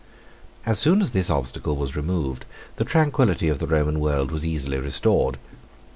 As soon as this obstacle was removed, the tranquillity of the Roman world was easily restored.